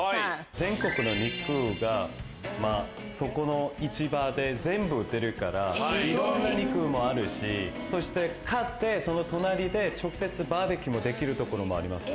全国の肉がそこの市場で全部売ってるからいろんな肉もあるしそして買ってその隣で直接バーベキューもできる所もありますよ。